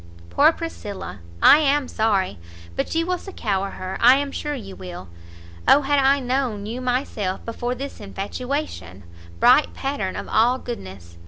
Poor Priscilla! I am sorry but you will succour her, I am sure you will, Oh had I known you myself before this infatuation bright pattern of all goodness!